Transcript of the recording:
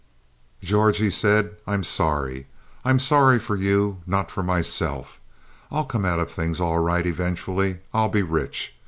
"George," he said, "I'm sorry. I'm sorry for you, not for myself. I'll come out of things all right, eventually. I'll be rich.